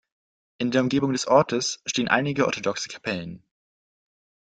In der Umgebung des Ortes stehen einige orthodoxe Kapellen.